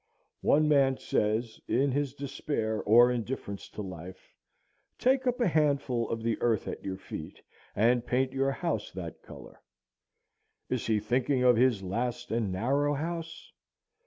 One man says, in his despair or indifference to life, take up a handful of the earth at your feet, and paint your house that color. Is he thinking of his last and narrow house?